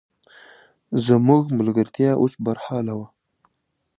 زموږ ملګرتیا اوس هم برحاله وه.